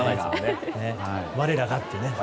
我らがってね。